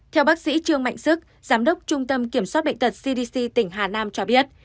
theo bác sĩ trương mạnh sức giám đốc trung tâm kiểm soát bệnh tật cdc tỉnh hà nam cho biết